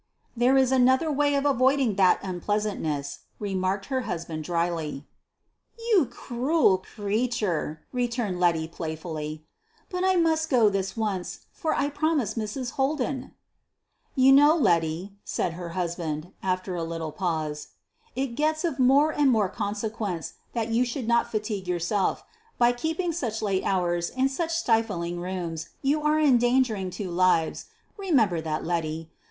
"There is another way of avoiding that unpleasantness," remarked her husband drily. "You cruel creature!" returned Letty playfully. "But I must go this once, for I promised Mrs. Holden." "You know, Letty," said her husband, after a little pause, "it gets of more and more consequence that you should not fatigue yourself. By keeping such late hours in such stifling rooms you are endangering two lives remember that, Letty.